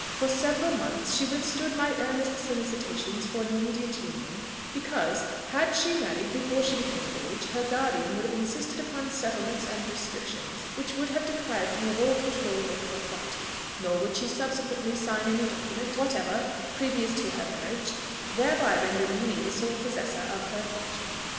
For several months she withstood my earnest solicitations for an immediate union, because, had she married before she became of age, her guardian would have insisted upon settlements and restrictions, which would have deprived me of all control over her property; nor would she subsequently sign any document whatever previous to her marriage, thereby rendering me the sole possessor of her fortune.